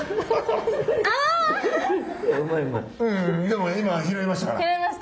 でも今拾いましたから。